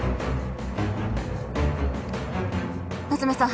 夏梅さん